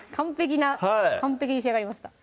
完璧に仕上がりました